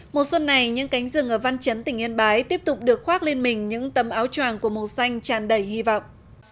mùa xuân này những cánh rừng ở văn chấn tỉnh yên bái tiếp tục được khoác lên mình những tấm áo tròng của màu xanh tràn đầy hy vọng